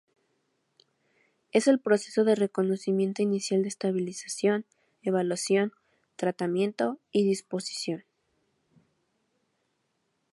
Es el proceso de reconocimiento inicial de estabilización, evaluación, tratamiento y disposición.